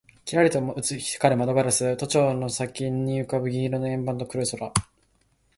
キラリと光る窓ガラス、都庁の先に浮ぶ銀色の円盤と黒い空